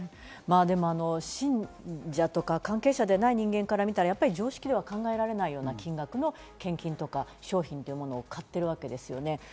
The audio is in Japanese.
信者とか関係者でない人間から見たら常識では考えられないような金額の献金とか商品というものを買っているわけですよね。